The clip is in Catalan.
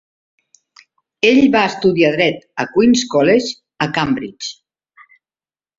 Ell va estudiar dret al Queens' College, a Cambridge.